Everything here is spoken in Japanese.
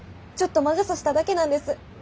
ちょっと魔が差しただけなんです。